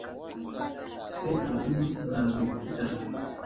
Yayan tarawapayan lankwikita.